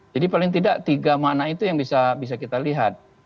jadi paling tidak tiga mana itu yang bisa kita lihat